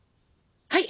はい！